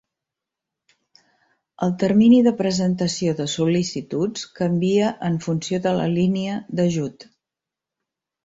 El termini de presentació de sol·licituds canvia en funció de la línia d'ajut.